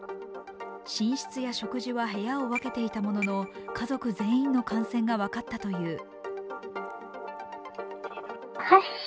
寝室や食事は部屋を分けていたものの家族全員の感染が分かったという。